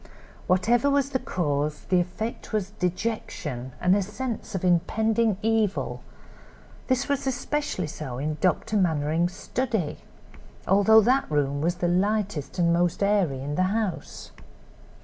Whatever was the cause, the effect was dejection and a sense of impending evil; this was especially so in Dr. Mannering's study, although that room was the lightest and most airy in the house.